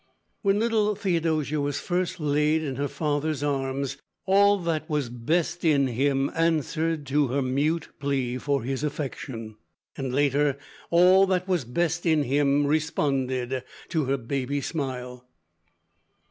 When little Theodosia was first laid in her father's arms, all that was best in him answered to her mute plea for his affection, and later, all that was best in him responded to her baby smile.